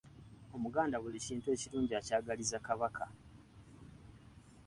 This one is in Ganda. Omuganda buli kintu ekirungi akyagaliza Kabaka.